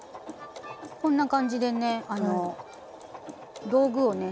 こんな感じでねあの道具をね